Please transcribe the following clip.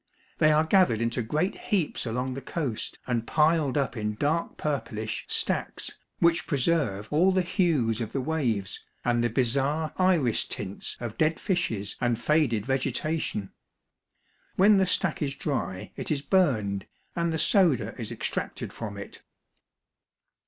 They are gathered into great heaps along the coast and piled up in dark purplish stacks, which preserve all the hues of the waves, and the bizarre iris tints of dead fishes and faded vegetation. When the stack is dry it is burned, and the soda is extracted from it.